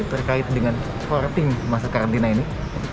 terkait dengan sporting masa karantina ini